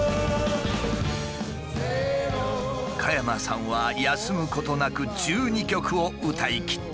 加山さんは休むことなく１２曲を歌いきった。